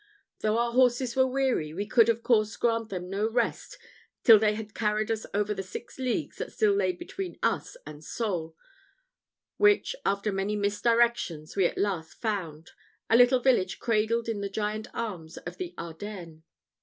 Though our horses were weary, we could of course grant them no rest till they had carried us over the six leagues that still lay between us and Saule, which, after many misdirections, we at last found a little village cradled in the giant arms of the Ardennes.